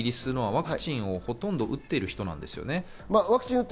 今回のイギリスのはワクチンをほとんど打っている人なんですよね。